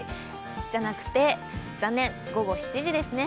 じゃなくて残念、午後７時ですね。